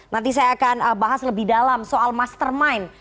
nanti saya akan bahas lebih dalam soal mastermind